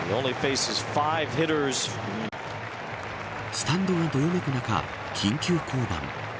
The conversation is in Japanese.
スタンドがどよめく中緊急降板。